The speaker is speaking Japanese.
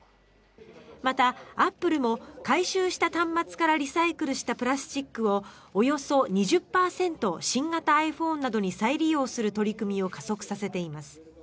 また、アップルも回収した端末からリサイクルしたプラスチックをおよそ２０％新型ｉＰｈｏｎｅなどに再利用する取り組みを加速させています。